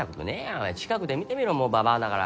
お前近くで見てみろもうばばあだから。